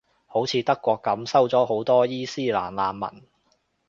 好似德國噉，收咗好多伊期蘭難民